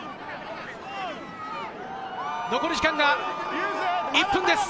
残り時間が１分です。